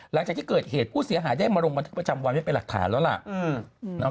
หลังจากที่เกิดเหตุผู้เสียหายได้มาลงบันทึกประจำวันไว้เป็นหลักฐานแล้วล่ะ